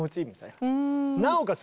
なおかつ